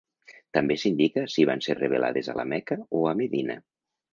També s'indica si van ser revelades a la Meca o a Medina.